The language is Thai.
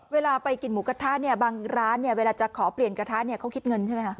เวลาไปกินหมูกระทะเนี่ยบางร้านเนี่ยเวลาจะขอเปลี่ยนกระทะเนี่ยเขาคิดเงินใช่ไหมคะ